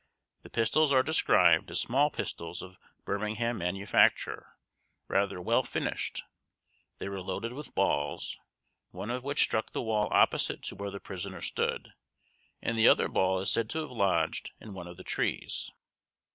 The pistols are described as small pistols of Birmingham manufacture, rather well finished. They were loaded with balls, one of which struck the wall opposite to where the prisoner stood, and the other ball is said to have lodged in one of the trees.